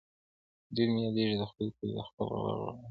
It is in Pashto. ډېر مي ياديږي دخپلي کلي د خپل غره ملګري,